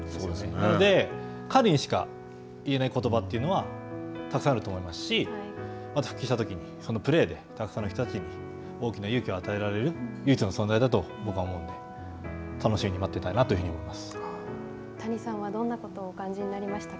なので、彼にしか言えないことばというのは、たくさんあると思いますし、あと復帰したときに、そのプレーでたくさんの人たちに大きな勇気を与えられる唯一の存在だと僕は思うので、楽しみに待っ谷さんは、どんなことをお感じになられましたか。